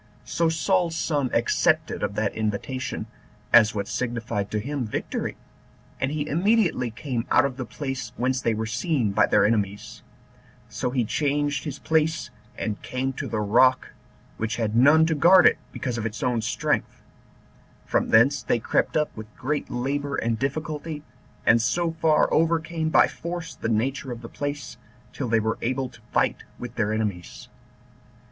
So Saul's son accepted of that invitation, as what signified to him victory, and he immediately came out of the place whence they were seen by their enemies: so he changed his place, and came to the rock, which had none to guard it, because of its own strength; from thence they crept up with great labor and difficulty, and so far overcame by force the nature of the place, till they were able to fight with their enemies.